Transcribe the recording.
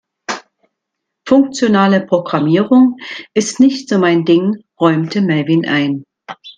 Funktionale Programmierung ist nicht so mein Ding, räumte Melvin ein.